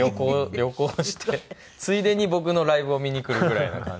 旅行してついでに僕のライブを見に来るぐらいな感じで。